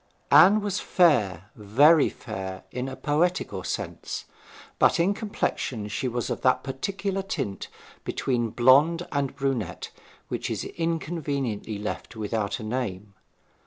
Anne was fair, very fair, in a poetical sense; but in complexion she was of that particular tint between blonde and brunette which is inconveniently left without a name.